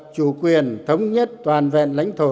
chủ quyền thống nhất toàn vẹn lãnh thổ